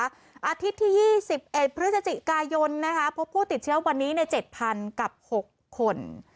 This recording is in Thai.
อาทิตย์ที่๒๑พฤศจิกายนพบผู้ติดเชื้อวันนี้ใน๗๐๐กับ๖คน